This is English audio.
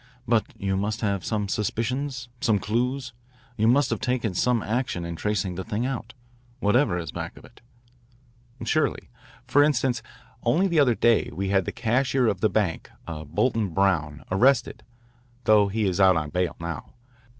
But you must have some suspicions, some clues. You must have taken some action in tracing the thing out, whatever is back of it." "Surely. For instance, only the other day we had the cashier of the bank, Bolton Brown, arrested, though he is out on bail now.